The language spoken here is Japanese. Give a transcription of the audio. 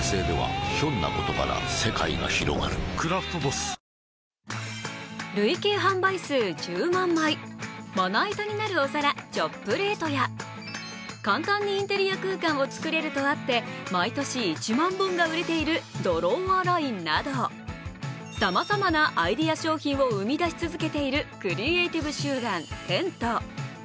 「クラフトボス」累計販売数１０万枚、まな板になるお皿チョップレートや簡単にインテリア空間を作れるとあって毎年１万本が売れているＤＲＡＷＡＬＩＮＥなどさまざまなアイデア商品を生み出し続けているクリエイティブ集団ＴＥＮＴ。